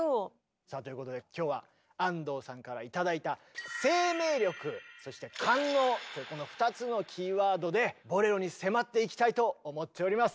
さあということで今日は安藤さんから頂いたというこの２つのキーワードで「ボレロ」に迫っていきたいと思っております！